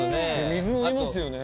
水飲みますよね